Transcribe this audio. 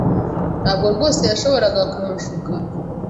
Ntabwo rwose yashoboraga kumushuka